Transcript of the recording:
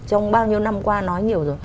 trong bao nhiêu năm qua nói nhiều rồi